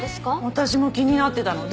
私も気になってたの。